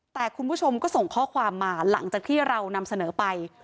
แต่คุณผู้ชมก็ส่งข้อความมาหลังจากที่เรานำเสนอไป